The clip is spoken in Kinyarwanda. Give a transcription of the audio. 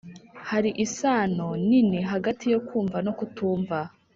hari isano nini hagati yo kumva no kutumva